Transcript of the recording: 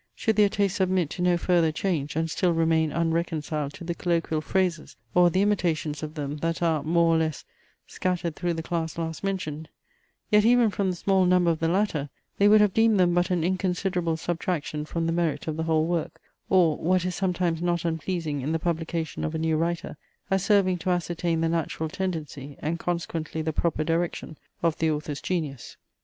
Should their taste submit to no further change, and still remain unreconciled to the colloquial phrases, or the imitations of them, that are, more or less, scattered through the class last mentioned; yet even from the small number of the latter, they would have deemed them but an inconsiderable subtraction from the merit of the whole work; or, what is sometimes not unpleasing in the publication of a new writer, as serving to ascertain the natural tendency, and consequently the proper direction of the author's genius.